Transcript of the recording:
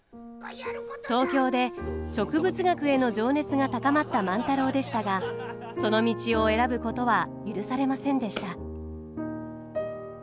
東京で植物学への情熱が高まった万太郎でしたがその道を選ぶことは許されませんでした。